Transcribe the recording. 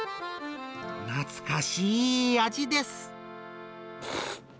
懐かしい味です。